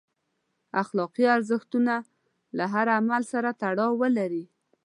اخلاقي ارزښتونه له هر عمل سره تړاو ولري.